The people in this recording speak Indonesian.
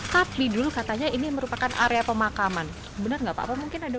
tapi dulu katanya ini merupakan area pemakaman benar nggak pak mungkin ada berbeda